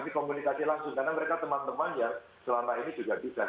kami komunikasi langsung karena mereka teman teman yang selama ini juga bisa hadir di rumah